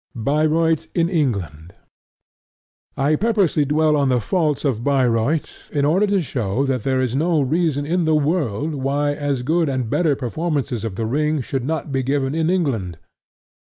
BAYREUTH IN ENGLAND I purposely dwell on the faults of Bayreuth in order to show that there is no reason in the world why as good and better performances of The Ring should not be given in England.